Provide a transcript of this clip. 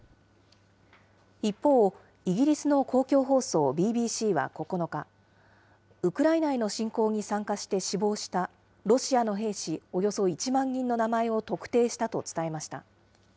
一方、イギリスの公共放送ＢＢＣは９日、ウクライナへの侵攻に参加して死亡したロシアの兵士およそ１万人の名前を特定したと伝えました。